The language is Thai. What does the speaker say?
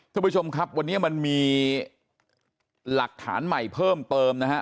ท่านผู้ชมครับวันนี้มันมีหลักฐานใหม่เพิ่มเติมนะฮะ